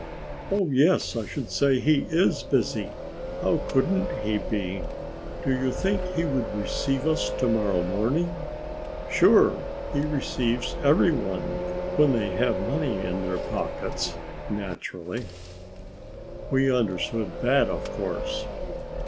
"Oh, yes, I should say he is busy; how couldn't he be?" "Do you think that he would receive us to morrow morning?" "Sure! He receives every one, when they have money in their pockets ... naturally." We understood that, of course.